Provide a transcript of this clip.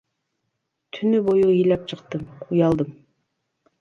Түнү бою ыйлап чыктым, уялдым.